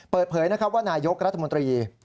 เปิดเผยว่านายยกรัฐมนตรี